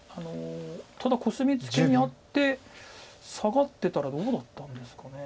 ただコスミツケにあってサガってたらどうだったんですかね。